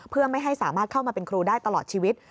เพื่อไม่ให้สามารถเข้ามาเป็นครูได้ตลอดชีวิต